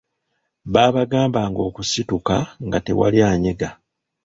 Baabagambanga okusituka nga tewali anyega.